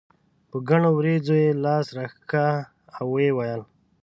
په ګڼو وريځو یې لاس راښکه او یې وویل.